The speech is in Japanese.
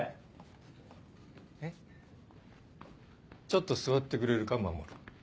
ちょっと座ってくれるか守。